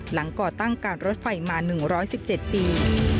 ก่อตั้งการรถไฟมา๑๑๗ปี